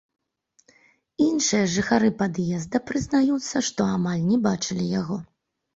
Іншыя жыхары пад'езда прызнаюцца, што амаль не бачылі яго.